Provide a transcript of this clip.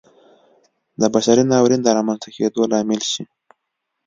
د بشري ناورین د رامنځته کېدو لامل شي.